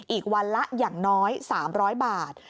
อีกวันละอย่างน้อย๓๐๐บาท